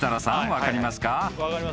分かりますよ。